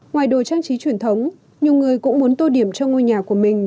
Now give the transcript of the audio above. ngoài đồ trang trí truyền thống nhiều người cũng muốn tô điểm cho ngôi nhà của mình